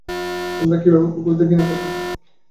তোমরা কিভাবে কুকুরদের ঘৃণা করতে পারো।